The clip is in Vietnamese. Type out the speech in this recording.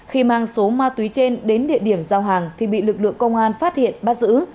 khi mang số ma túy trên đến địa điểm giao hàng thì bị lực lượng công an phát hiện bắt giữ